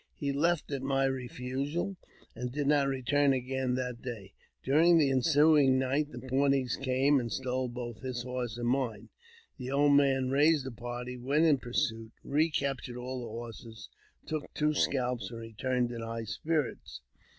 He left at my refusal, and did not return again that day. During the ensuing night the Pawnees came, and stole both his horses and mine. The old man raised a party, went in pursuit, recaptured all the horses, took two scalps, and re turned in high spirits.